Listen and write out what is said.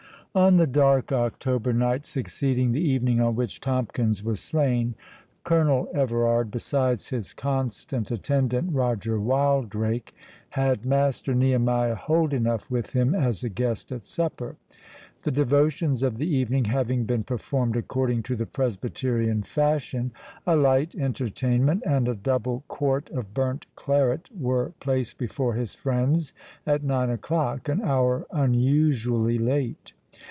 On the dark October night succeeding the evening on which Tomkins was slain, Colonel Everard, besides his constant attendant Roger Wildrake, had Master Nehemiah Holdenough with him as a guest at supper. The devotions of the evening having been performed according to the Presbyterian fashion, a light entertainment, and a double quart of burnt claret, were placed before his friends at nine o'clock, an hour unusually late.